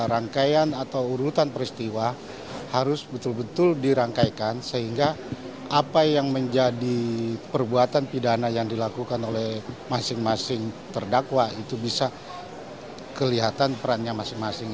rangkaian atau urutan peristiwa harus betul betul dirangkaikan sehingga apa yang menjadi perbuatan pidana yang dilakukan oleh masing masing terdakwa itu bisa kelihatan perannya masing masing